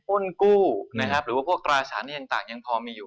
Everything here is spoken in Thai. พ่นกู้หรือว่าพวกตราสารที่ยังต่างยังพอมีอยู่